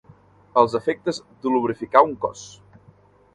Els efectes d'lubrificar un cos.